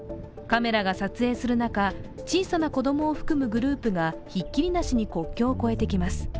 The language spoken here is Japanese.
カメラが撮影する中小さな子供を含むグループがひっきりなしに国境を越えてきます。